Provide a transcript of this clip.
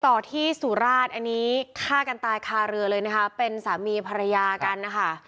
ต่อที่สุราชอันนี้ฆ่ากันตายคาเรือเลยนะคะเป็นสามีภรรยากันนะคะ